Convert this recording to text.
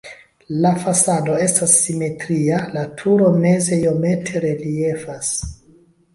La fasado estas simetria, la turo meze iomete reliefas.